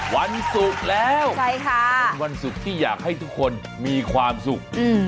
วันศุกร์แล้วเป็นวันศุกร์ที่อยากให้ทุกคนมีความสุข